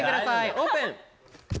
オープン！